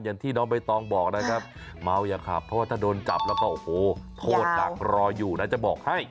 อย่างที่น้องใบตองบอกนะครับเมาอย่าขับเพราะว่าถ้าโดนจับแล้วก็โอ้โหโทษดักรออยู่นะจะบอกให้